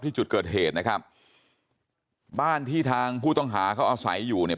ที่จุดเกิดเหตุนะครับบ้านที่ทางผู้ต้องหาเขาอาศัยอยู่เนี่ย